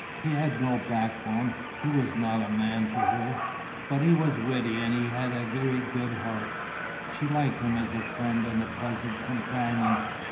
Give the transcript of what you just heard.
He had no backbone, he was not a man to her; but he was witty and he had a very good heart. She liked him as a friend and a pleasant companion.